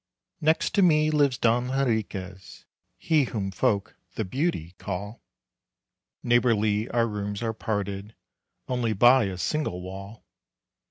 Next to me lives Don Henriquez, He whom folk "the beauty" call; Neighborly our rooms are parted Only by a single wall.